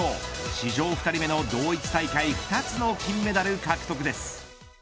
史上２人目の同一大会２つの金メダル獲得です。